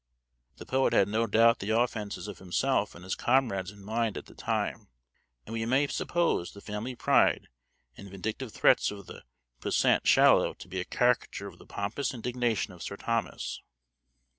The poet had no doubt the offences of himself and his comrades in mind at the time, and we may suppose the family pride and vindictive threats of the puissant Shallow to be a caricature of the pompous indignation of Sir Thomas.